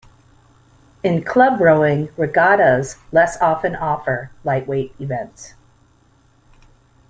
In club rowing, regattas less often offer lightweight events.